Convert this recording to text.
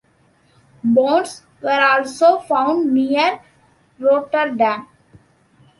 Bones were also found near Rotterdam.